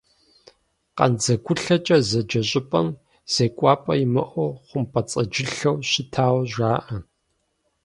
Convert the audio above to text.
«КъандзэгулъэкӀэ» зэджэ щӀыпӀэм зекӀуапӀэ имыӀэу хъумпӀэцӀэджылъэу щытауэ жаӀэ.